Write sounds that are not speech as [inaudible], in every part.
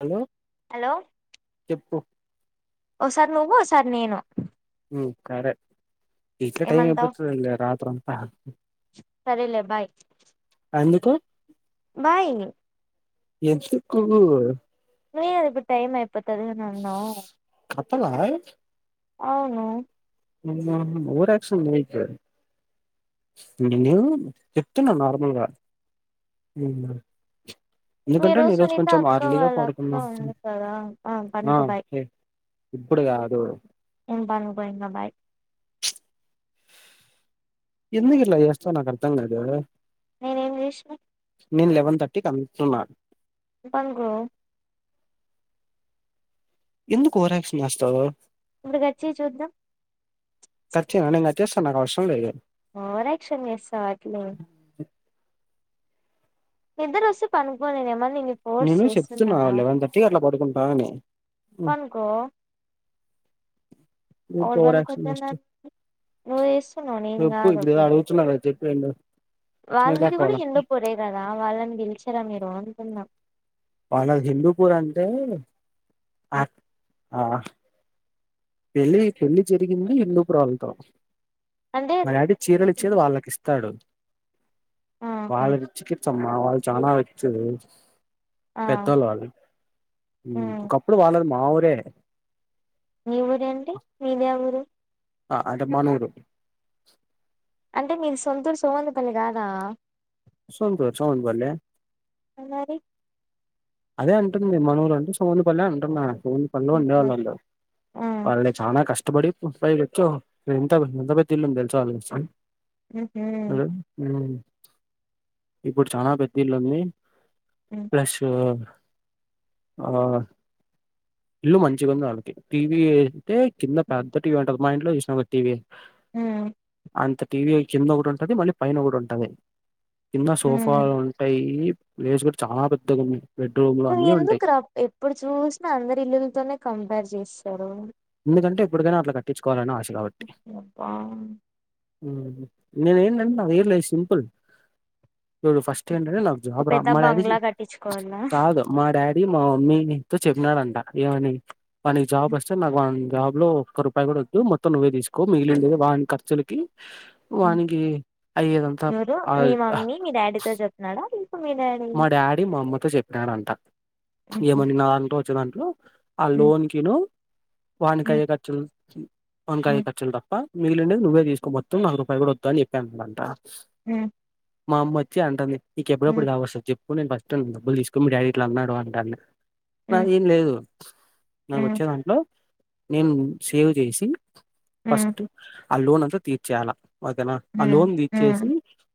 Hello చెప్పు ఒకసార్ నువ్వు ఒకసారి నేను ఉ కఖరే ఇట్లే టైమ్ ఏమంటావు ఇబతుద లే రాత్రు అంతా సరేలే బాయ్ పో బాయ్ ఎందుకు నువ్వే కదా ఇప్పు టైం అయిపోతది అని అన్నావు పడ్వ అవును ఆ ఊర యాక్షన్ చేయొద్దు నేను చెప్తున్నా నార్మల్గా ఉ ఎందుకంటే మీరు నే రోజు సునీత కొంచెం అక్క ఆర్లీగా వాళ్ళ అక్క పాడుకున్నా ఉంది కదా ఆ పనుకో ఏ ఇప్పుడు కాదు ఉ పనుకో ఇంగ బాయ్ ఎందుకు ఇట్లా చేస్తావ్ నాకు అర్థం కాదు నేను ఏం చేసినా నేను లెవెన్ థర్టీకి అందుతున్నా ఉ పనుకో ఎందుకు ఓవరాక్షన్ చేస్తావు ఇప్పుడు కట్ చెయ్ చూద్దాం కచ్చేనా న నేను కట్ చేస్తా నాకు అవసరం లేదు ఓవరాక్షన్ చేస్తావ్ అట్లే నిద్దర వస్తే పనుకో నేనేమన్నా నిన్ను ఫోర్స్ నేను చెప్తున్నా చేస్తున్నానా లెవెన్ థర్టీ అట్లా పడుకుంటా అని ఉమ్, పనుకో ఊరికే ఎవరు ఓవరాక్షన్ పనుకోద్దు చేస్తూ అన్నారు నువ్వు చేస్తున్నావ్ నేను కాదు అట్లా రెండు వాళ్ళది కూడా హిందూపూర్ రే కదా వాళ్ళని పిలిచారా మీరు అంటున్న వాళ్లది హిందూపూర్ అంటే యాక్ట్ ఆ పెళ్ళి పెళ్లిి జరిగింది హిందూపూర్వాళ్లతో అంటే మా డాడీ చీరలు ఇచ్చేది వాళ్ళకి ఇస్ ఇస్తాడు ఆహా వాళ్ళ చికిసమ్మా మా వాళ్ళు చాలా వచ్చ ఆ పెద్దోళ్ళ వాళ్ళు ఉ ఉమ్ ఒకప్పుడు వాళ్లది మా ఊరే మీ ఊరే అంటే మీది యా ఊరు ఆ అంట మనూరు అంటే మీది సొంతూరు సోమందపల్లి కాదా సంతూర్ సోమందపల్లె మ్ మరి అదే అంటుంది మనవుల అంటే సముందుపల్లి అంటున్నా ఫోన్ పనులు ఓకే ఓకే. ఉండేవాళ్ళళ్ళు ఆ వాళ్ళ చాలా కష్ట ష్టపడి వచ్చో ఎంత ఎంత పెద్ద ఇల్లు తెలుసో అళ ఉహు ఇప్పుడు చాన పెద్దిళ్ళంది ఉమ్ ప్రెష్ ఆ ఇల్లు మంచిగ ఉంది వాళ్ళకి టీవీ అయితే కింద పెద్ద టీవీ ఉంటది మా ఇంట్లో చూసినా ఒక టీవీ ఉమ్ అంత టీవీ కింద ఒకటి ఉంటది మళ్ళీ పైన ఒకటి ఉంటది కింద సోఫా ఉమ్. ఉంటాయి ప్లేస్ కూడ చాలా పెద్దగా ఉన్నాయి నువ్ ఎందుక్రా ఎప్పుడు చూసినా అందరి ఇల్లులతోనే కంపేర్ చేస్తారు ఎందు కంటె ఎప్పుడికైనా అలా కట్టించుకోాలని ఆశ కాబట్టి అప్పా నేను ఏందంటె నాదేం లేదు సింపుల్ ఫస్ట్ హండ్రె నాకు ఒక జాబ్ రా పెద్ద మా డాడీ బంగ్లా కట్టించుకోవాల కాదు మా డాడీ మా మమ్మీ నీతో చెప్పినాడంట ఏవని మ నీక్ జాబ్ వస్తే నా జాబ్ లో ఒక్క రూపాయి కూడ వద్దు మొత్తం నువ్వే తీసుకో మిగిలినంది వాడి ఖర్చులకి వానికి అయ్యేదంత ఎవరు ఆ మీ మమ్మీ మీ డాడీతో చెప్తున్నాడా లేక మీ డాడీ మా డాడీ మా అమ్మతో చెప్పినాడంట ఉహు, ఏమని నా దాంట్లో వచ్చిన దాంట్లో ఆ ఉమ్ లోన్ కి నుూ ఉమ్ వానికయ్యే ఖర్చుల్ వాన్ కయ్ ఉమ్ ఖర్చులు తప్ప మిగిలిం డెవి నువ్వే తీసుకోొ మొత్తంాలుగు రూపాయ కూడా వా అని చెప్పానంటట మ్ మా అమ్మ వచ్చి అంటుంది నీ ఎప్పుడప్పుడు కావ వస్తారు చెప్పు నేను ఫస్ట్ డబ్బులు తీసుకుని మీ డాడీ ఇట్లా అన్నాడు అంటాన్ని ఉమ్ నాది ఏం లేదు నాకు ఉమ్ వచ్చే దాంట్లో నేన్ సేవ్ చేసి ఉమ్ ఫస్ట్ ఆ లోన్ అంతా తీర్చేయాల ఓకేన ఆ ఉమ్ లోన్ తీర్చేసి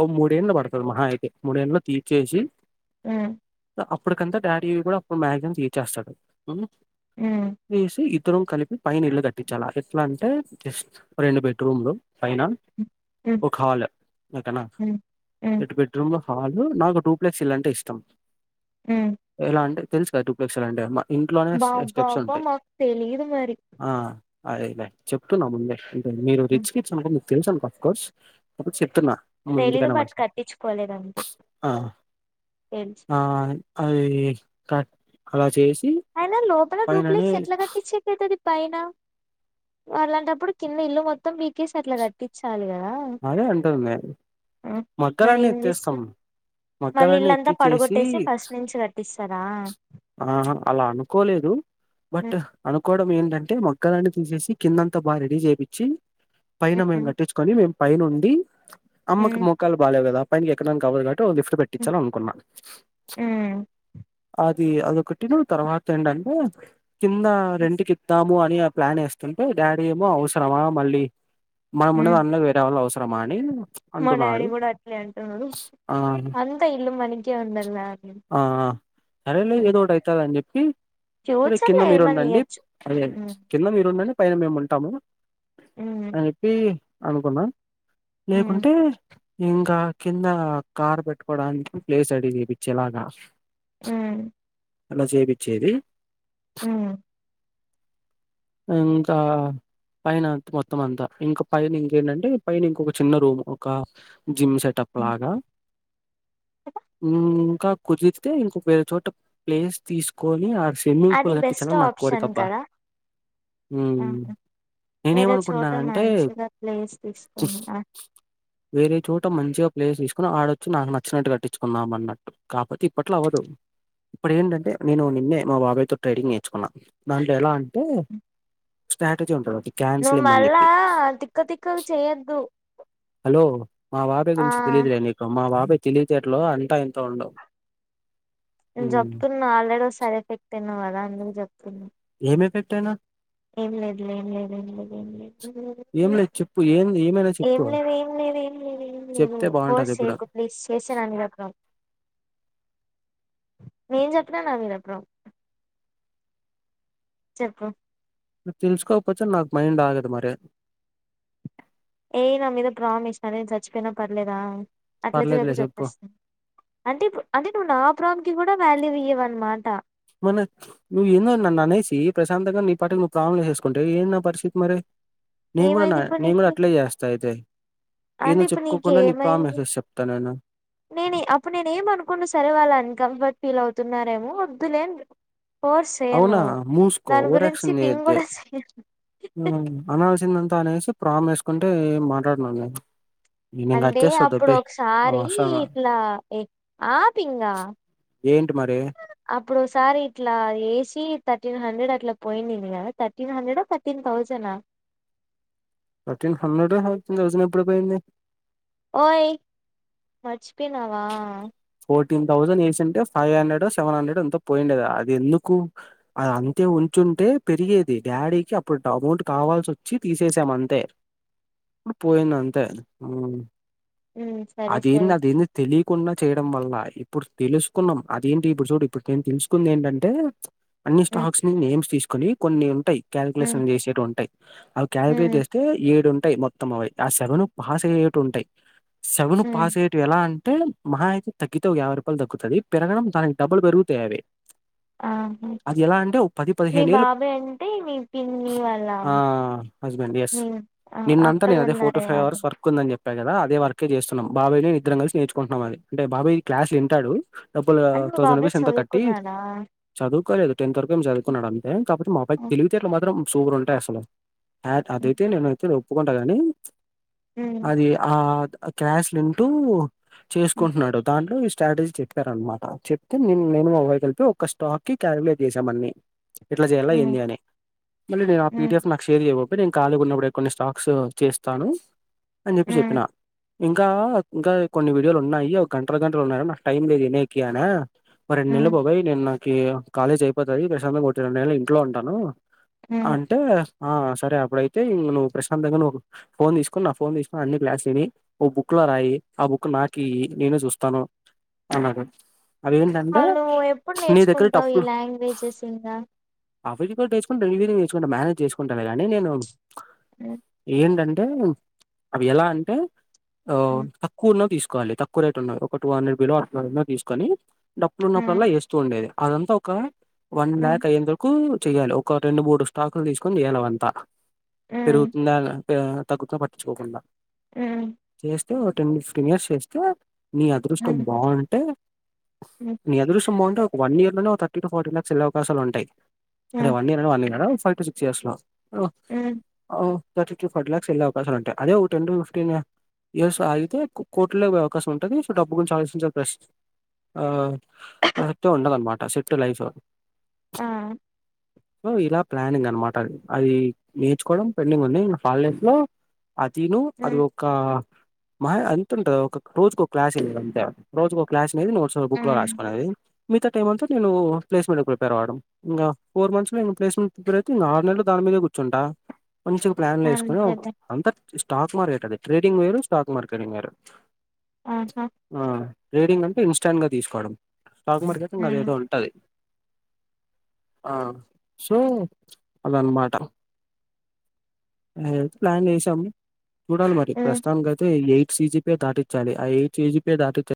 ఓ మూడేళ్ు పడుతుంది మహా అయితే మూడేళ్లో తీర్చేసి హ్మ్ అప్పడుకంత డాడీ కూడ అప్పుడు మ్యాగ్జిమమ్ తీర్చేస్తాడు ఉమ్. ఇద్దరం కలిపి పైన ఇళ్లు కట్టించాల ఎట్లా అంటే జస్ రెండు బెడ్రూమ్లు పైన హ్మ్ ఒక హల్ ఒకెనా హ్మ్ హ్మ్ రెండు బెడ్రూమ్ హాలు నాకు టూ టూప్లెక్స్ ఇల్ అంటే ఇష్టం హ్మ్ ఎలా అంటే తెలుసు కదా టూప్లెక్స్ల్ అంటే అమాట ఇంట్లోనే స్టెప్స్ బాబ్బాబ్బా ఉంటాయి మాకు తెలీదు మరి ఆ అదె లె చెప్తున్న ముందే అంటే మీరు ఉమ్, రిచ్కిట్స్ అనుకో మీకు తెలుసా అనుకో అఫ్ కోర్స్ అ చెప్తున్నాను మ్ తెలీదు ఎందుకైన బట్ మంచిది కట్టించుకోలేదంతే ఆ తెలుసు ఆ అది కట్ అలా చేసి అయిన లోపల పైననే డూప్లిక్స్ ఎట్ల కట్టించక అవుతుది పైన అళ్లాంటప్పుడు కింద ఇల్లు మొత్తం పీకేసి అట్ల కట్టించాలి కదా అదే అంటుంది మరి మగ్గాలన్నీ ఏం చేస్తా ఎత్తేస్తాం మళ్ళీ మగ్గాలన్నీ ఇల్లంతా ఎత్తిచ్చేసి పడగొట్టేసి ఫస్ట్ నుంచి కట్టిస్ స్త రా ఆహ అలా అనుకోలేదు బట్ అనుకోవడం ఏంటంటే అంటే మొక్కలన్ని తీసేసి కిందంతా బాగ రెడీ చేయిచ్చి పైన మేము కట్టించుకొని మేము పైైన ఉండి అమ్మకి హ్మ్ మోకాలు బాలేవు కదా ఆ పైకి ఎక్కడానికి కావదు కాట్టి లిఫ్ట్ పెట్టించాలనుకున్నాను ఇది అదొకటిను తర్వాత ఏంటంటే కింద రెంటుకి ఇద్దాము అని ఆ ప్లాన్ వేస్తుంటే డాడీ ఏమో అవసరమా మళ్ళీ మనం ఉన్నది అందులో వేరే వాళ్ళు అవసరమా అని మా డాడీ అంటున్నాడు. కూడ అట్లే అంటున్నాడు ఆ! అంతా ఇల్లు మనకిే ఉండాల్ల ఆ! సరేలే ఏదో ఒకటి అవుతుంద అని చెప్పి సరే ఫ్యూచర్ కింద లో మీరు ఏమన్నా ఉండండి ఇయ్యొచ్చు అదే కింద మీరు ఉండండి పైన మేము ఉంటాము హ్మ్ అని చెప్పి అనుకున్నా ఉమ్ లేకుంటే ఇంకా కింద కార్ పెట్టుకోడానికి ప్లేస్ అడిగిపిచ్చ ఇలాగా ఊ అలా చేపిచ్చేది ఊ ఇంకా పైన అంత మొత్తం అంతా ఇంకా పైన ఇంకేంటంటే పైన ఇంకొ చిన్న రూమ్ ఒక జిమ్ సెటప్ ఉమ్. లాగా ఇంకా కుదితే ఇంకోక వేరే చోట ప్లేస్ తీసుకొని ఆడ స్విమ్మింగ్ అది పూల్ బెస్ట్ కట్టించాలని నా ఆప్షన్ కోరికబ్బా కదా ఊ ఆహా. నేనే వేరే చోట ఏమనుకుంటున్నానంటే మంచిగా ప్లేస్ తీసుకొని ఆహా. వేరే చోట మంచిగా ప్లేస్ తీసుకుని ఆడొచ్చి నాకు నచ్చినట్టు కట్టించుకున్నామన్నట్టు కాపోతే ఇప్పట్లో అవ్వదు ఇప్పుడు ఏంటంటే నేను నిన్నే మా బాబాయ్తో ట్రైడింగ్ నేర్చుకున్నా దాంట్లో ఎలా అంటే స్టాటజి ఉంటది అప్ నువ్ మళ్ళా తిక్కతిక్కవి చేయ్యొద్దు హలో మా బాబె గురించి తెలిదు లే నీకు మా బాబె తెలివితేటలు అంత ఎంత ఉండవు నేను హ్మ్. చెప్తున్నా ఆల్రెడీ ఒకసారి తిట్టిండు కదా అందుకు చెప్తున్నా ఏం ఎఫెక్ట్ ఐనా ఏం లేదు లే ఏం లేదు ఏం లేదు ఏ లేదు ఊ ఊ నువ్ ఏమన్న చెప్ ఏం లేదు ఏం లేదు ఏం లేదు ఏం లేదు ఫోర్స్ బావుంటదిప్పుడు. చెయ్యకు ప్లీజ్ చేశాను అని రకం నేను చెప్పిన నవిన ప్రో చెప్పు ఇపుడు తెలుసుకోకపోతె నాకు మైండ్ ఆగదు మరి ఏయ్ నా మీద ప్రామిస్ అదేన్ సచ్చిపోయినా పర్లేదా అట్లతే చెప్పు చెప్పేస్తాను అంటిప్పు అంటే నువ్వు నా ప్రాం కి కూడా వాల్యూ ఇయ్యవనమాట మన నువ్వు ఏందో నన్ను అనేసి ప్రశాంతంగా నీ పాటికీ నువ్వు ప్రాములు చేసుకుంటే ఏంది నా పరిస్థితి మరి నే కూడా న ఏమైంది ఇప్పుడు నేన్ కూడా నీకి అట్లే చేస్తా అయితే అంటే ఏందో ఇప్పుడు చెప్పుకోకుండా నీ ప్రా మెసేజ్ చెప్తా నేను నేనీ అప్పుడు నేనే ఏమనుకోను సరే వాళ్ళు అన్కంఫర్ట్ ఫీల్ అవుతున్నారేమో వద్దులే అని ఫోర్స్ చేయను అవునా ముూస్కో దాని ఓవర్ గురించి యాక్షన్ థింక్ చేయొదే కూడా చేయను ఊ అనాల్సి వచ్చిందంతా అనేసి ప్రామ్ వేసుకుంటే ఏం మాట్లాడన నేను నేను కట్ అంటే చేస్తా అప్పుడు దొబ్బెయ్ ఒకసారి అవసరమా ఇట్లా ఎ ఆ పింగా ఏంటిప్ అప్పుడు ఓ సారీ ఇట్లా ఏసి తర్టీన్ హండ్రెడ్ అట్లా పోయిందిని కదా తర్టీన్ హండ్రెడ తర్టీన్ తౌసండ్ ఆ థర్టీన్ హండ్రెడ్ ఏ మరి థౌసండ్ ఎప్పుడు పోయింది ఓయ్ మచి పోయినవా ఫోర్టీన్ థౌసండ్ వేసింటే ఫైవ్ హండ్రెడ్ ఓ సెవెన్ హండ్రెడ్ ఓ ఎంతో పోయిండేది అది ఎందుకు అది అంతే ఉం కూర్చుంటే పెరిగేది డాడీకి అప్పుడు అమౌంట్ కావాల్సి వచ్చి తీసేసాం అంతే ఇప్పుడు పోయింది అంతే ఆ ఉమ్ సరే అదేంది సరే అదేంది తెలిక్ కున్న చేయడం వల్ల ఇప్పుడు తెలుసుకున్నాం అదేంటి ఇప్పుడు చూడు ఇప్పటికేం తెలుసుకుంది ఏంటంటే అన్ని ఉమ్ స్టాక్స్ ని నేమ్స్ తీసుకుని కొన్ని ఉంటాయి ఉమ్ కాలికులేషన్ చేసేటవి ఉంటాయి అవి ఉమ్ కాలికులేట్ చేస్తే ఏడు టయి మొత్తం అవి ఆ సెవెను పాస్ అయ్యేటవి ఉంటాయి సెవెను ఉమ్ పాసయేటివి ఎలా అం అంటె మహ అయితే తగ్గితే ఒక యాైభై రూపాయలు తగ్గుతుది పెరగడం దానికి డబ్బులు పెరుగుతాయవి అ అది ఎలా అంటే పది పదిహేను ఏళ్ళు బాబాయ్ అంటే మీ పిన్ని వాళ్ళ ఆ హస్బెండ్ ఎస్ మీ ఆ నిన్న అంత అక్కడ నేను అదే ఫోర్ టు ఉన్నారే ఫైవ్ వాళ్ళు అవర్స్ వర్క్ ఉందని చెప్పను చెప్పే కదా అదే వర్కే చేస్తున్నాం బాబాయి నే ఇద్దరం కలిసి నేర్చుకుంటున్నాం అంటే బాబాయ్ క్లాస్ వింటాడు డబ్బుల్ అంటే మీ థౌజండ్ బాబాయ్ రూపీస్ ఎంతో కట్టి చదువుకున్నాడా చదువు కోలేదు టెన్త్ వరకు ఏం చదువుకున్నాడు అంతే కాబట్ మా అబ్బాయిక్ తెవితేటలు మాత్రం సూర్ ఉంటాయి అసలు అదైతే నేనైతే ఒప్పుకుంటానండి అది ఆ క్యాష్ వింటూ చేసుకుంటున్నాడు దాంట్లో ఇ స్ట్రాటజీ చెప్పారనమాట చెప్తే నే నేను మొబై కలిపి ఒక స్టాక్ కి కాలక్యులేట్ చేసామండి ఎట్ల చేయాల ఏంది అని మళ్ళీ నేను ఆ పీ డిఎఫ్ నాకు షేర్ చేయ్యదు అ నేను కాలిగున్నప్పుడే కొన్ని స్టాక్స్ చేస్తాను అని చెప్పి చెప్పిన ఇంకా ఇంకా కొన్ని వీడియోలు ఉన్నాయి ఒక గంటల గంటలు ఉన్నాార నాకు టైం లేదు వినేకి అనా ఒక రెండు నెలలు బబాయి నేను నాకు కాలేజ్ అయిపోతాది ప్రశాంతంగా కుర్చొనె రెండు నెలలు ఇంట్లో ఉంటాను అంటే ఆ సరే అప్పుడయితే నువ్వు ప్రశాంతంగా నువ్వు ఫో తీసుకుని నా ఫోన్ తీసుకుని అన్ని క్లాస్ీని ఓ బుక్ లో రాయి ఆ బుక్ నాకీ నేను చూస్తాను అన్నాడు అదేంటంటే వాళ్ళు ఎప్పుడు నీ దగ్గర నేర్చుకుంటావు ఈ టప్పులు లాంగ్వేజెస్ ఇంగా అవి కూడా వి నేర్చుకుంటా మేనేజ్ చేసుకుంటాలే గాని నేను ఉమ్. ఏంటంటే అంటె అవి ఎలా అంటే ఆ ఉమ్. తక్కువన్నో తీసు కోవాలి తక్కువ రేటు ఉన్న ఒక టూ హండ్రెడ్ బిలో అట్ల ఉన్నవ తీసుకని ఉమ్. డబ్బులున్నప్పుడుల్లా వేస్తూ ఉండేది అదంతా ఒక వన్ ఉమ్. ల్యాక్ అయ్యెంత వరకు చెయాలి ఒక రెండు మూడు స్టాకులు తీసుకుని అవంతా ఉమ్. పెరుగుతుందా తగ్గుత పట్టించుకోకుండా ఉ టెన్ ఫిఫ్టీన్ ఇయర్స్ చేస్తే నీ అదృష్టం ఉమ్. బాగుంటే ఉమ్. నీ అదృ ష్టం బాగుంటె ఒక వన్ ఇయర్ లోనే ఒకథర్టీ టు ఫార్టీ లాక్స్ వెళ్ళే అవకాశాలు ఉంటాయి అంటే ఉమ్. వన్ ఇయర్ లోనే year five to six years లో ఉమ్. ఓ థర్టీ టూ ఫార్టీ లాక్స్ వెళ్ళే అవకాశాలు ఉంటాయి అదే ఒక టెన్ టూ ఫిఫ్టీన్ ఇయర్స్ ఆగితే కోట్లే అవకాశం ఉంటది సో డబ్బు గురించి ఆలోచించాలి ఫస్ట్ ఆ [unintelligible] ఉండలన్మాట సెట్ లైఫ్ ఆ సో ఇలా ప్లానింగ్ అనమాట అది నేర్చుకోవడం పెండింగ్ ఉంది హాలిడేస్ లో అతీను అది ఉమ్. ఒక మాయ అంతుంటది ఒక రోజుకు ఒక క్లాస్ అంతే రోజుకో క్లాస్ మహి నోట్స్ బుక్ లో ఉమ్. రాసుకునేది మిగతా టైమ్ అంతా నేను పలేస్మెంట్ ప్రపేర్వడం ఇంక ఫోర్ మంత్స్లో నేను ప్స్మెంట్ ప్రిపేర్ అయితే ఆరు నెల దా మీద మీదె కూర్చుంటా మంచిగ ప్లాన్లు వేసుకొని అంతేలే అంతా స్టాక్ మార్కెట్ అది ట్రేడింగ్ వేరు స్టాక్ మార్కెటింగ్ వేరు ఆహా ఆ ట్రేడింగ్ అంటే ఇన్స్టాంట్ గా తీసుకోవడం స్టాక్ మార్కెట్ ఇంక అది ఉమ్. ఏదో ఉంటది ఆ సో అదన్మాట అదైతే ప్లాన్ చేసామ్ చూడాలి మరి ఉమ్. ప్రశ్ అతే ఎయిట్ సీజీ పే దాటించాలి ఆ ఎయిట్ సజీ పే దాటించె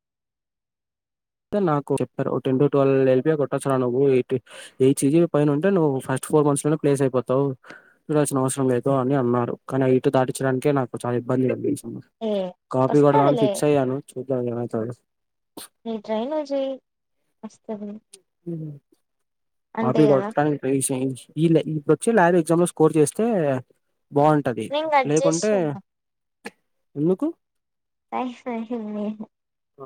అయితే నాకు చెప్పారు టెన్ టు ట్వల్వ్ ఎల్పి యె కొట్టొచ్చుా నువ్వు ఎయి ఎయిట్ సీ జీ పైన ఉంటే నువ్వు ఫస్ట్ ఫోర్ మంత్స్ లోనే ప్లేస్ అయిపోతావు చూడాల్సిన అవసరం లేదు అని అన్నారు కానీ ఐటు దాటించడానికిే నాకు చాలా ఇబ్బంది కా ఏ కాపీ కొడదామని వస్తదిలే ఫిక్స్ అయ్యాను చూద్దాం ఏమయితాదో నీ ట్రై నువ్ చెయి వస్తుది కాపీ కొట్టానికి ప్లేస్ ఇయలే చ్చి ల్యాబ్ ఎగ్జామ్లో స్కోర్ చేస్తే బాగుంటది నేను కట్ లేకుంటే చేస్తున్నా ఎందుకు [unintelligible] ఓ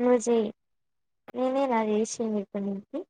నువ్ చేయ్ నేనేగా చేసింది ఇప్పుడు నీకి